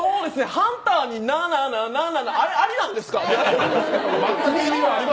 ハンターにナナナってあれ、ありなんですか？